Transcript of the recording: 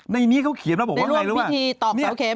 ในนี้เขาเขียนแล้วบอกว่าไงรู้แล้วว่า